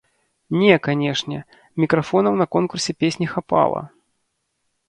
Не, канечне, мікрафонаў на конкурсе песні хапала.